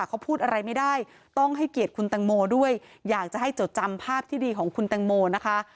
เขาพูดอะไรไม่ได้ต้องให้เกียรติคุณแตงโมด้วยอยากจะให้จดจำภาพที่ดีของคุณแตงโมนะคะ